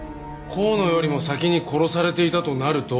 香野よりも先に殺されていたとなると。